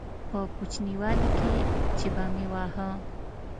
په کوچنيوالي کښې چې به مې واهه.